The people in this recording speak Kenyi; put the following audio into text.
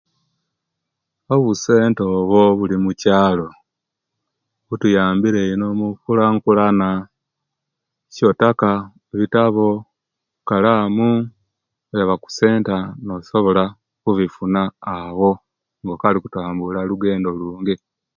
Obusenta obwo obuli mukyalo butuyambire ino munkulankulana ekyotaka; bitabo, kalamu, oyaba mussenta nosobola okubifuna awo, nga okaali okutambula lugendo oluwanvu.